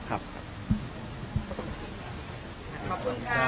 ขอบคุณครับ